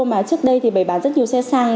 mà trước đây thì bày bán rất nhiều xe sang